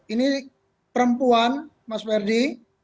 ini perempuan mas verdi